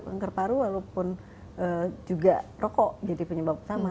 kanker paru walaupun juga rokok jadi penyebab utama